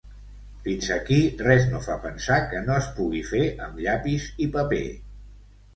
Fins aquí res no fa pensar que no es pugui fer amb llapis i paper.